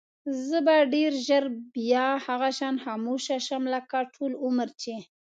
زه به ډېر ژر بیا هغه شان خاموشه شم لکه ټول عمر چې وم.